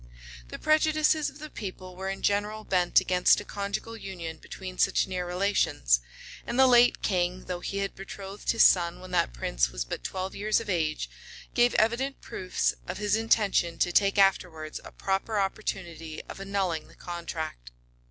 The prejudices of the people were in general bent against a conjugal union between such near relations; and the late king, though he had betrothed his son when that prince was but twelve years of age, gave evident proofs of his intention to take afterwards a proper opportunity of annulling the contract.